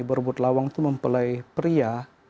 berebut lawang itu mempelai pria